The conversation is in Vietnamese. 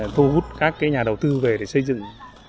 thu hút các nhà đầu tư về để xây dựng